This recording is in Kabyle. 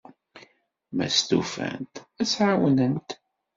Ma stufant, ad tt-ɛawnent.